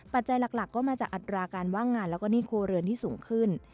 ปัจจัยหลักก็มาจากอัตราการว่างงานแล้วก็หนี้ครัวเรือนที่สูงขึ้น